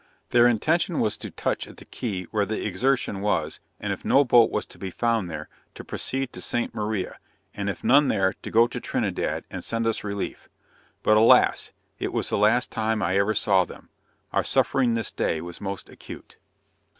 Their intention was to touch at the Key where the Exertion was and if no boat was to be found there, to proceed to St. Maria, and if none there, to go to Trinidad and send us relief. But alas! it was the last time I ever saw them! Our suffering this day was most acute.